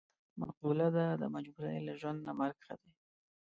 معقوله ده: د مجبورۍ له ژوند نه مرګ ښه دی.